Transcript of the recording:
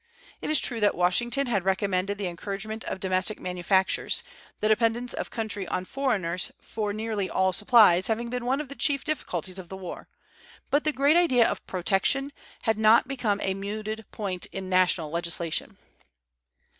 It is true that Washington had recommended the encouragement of domestic manufactures, the dependence of country on foreigners for nearly all supplies having been one of the chief difficulties of the war, but the great idea of "protection" had not become a mooted point in national legislation.